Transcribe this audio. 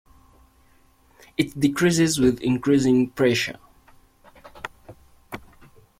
It decreases with increasing pressure.